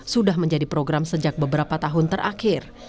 sudah menjadi program sejak beberapa tahun terakhir